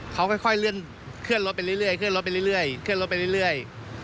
เขาค่อยเลื่อนรถไปเรื่อยเคลื่อนรถไปเรื่อยเคลื่อนรถไปเรื่อย